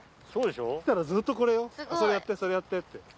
・そうでしょ？たらずっとこれよ「それやってそれやって」って。